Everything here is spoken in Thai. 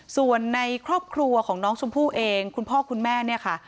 ส่วนในครอบครัวของน้องชมพู่เองคุณพ่อคุณแม่เนี่ยค่ะ